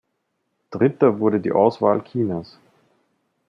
Dritter wurde die Auswahl Chinas.